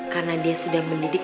karena dia sudah mendidik